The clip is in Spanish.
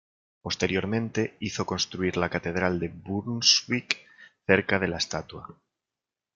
Posteriormente hizo construir la catedral de Brunswick cerca de la estatua.